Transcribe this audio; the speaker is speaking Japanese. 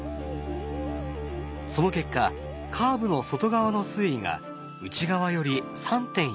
その結果カーブの外側の水位が内側より３．４ｍ。